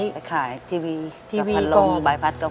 ไปขายทีวีกับพันรองบายพัดเก่า